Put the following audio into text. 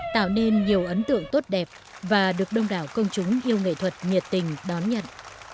tạo nên nhiều ấn tượng tốt đẹp và được đông đảo công chúng yêu nghệ thuật nhiệt tình đón nhận